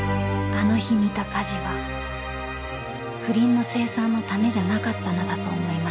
［あの日見た火事は不倫の清算のためじゃなかったのだと思いました］